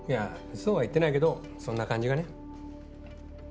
そうは言ってないけどそんな感じがね。